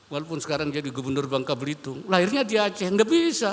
walaupun sekarang jadi gubernur bangka belitung lahirnya di aceh nggak bisa